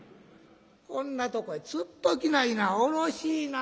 こんなとこへつっときないな下ろしいな」。